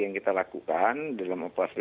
yang kita lakukan dalam operasi